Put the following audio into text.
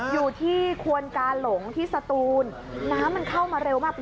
อยู่ที่ควนกาหลงที่สตูนน้ำมันเข้ามาเร็วมาก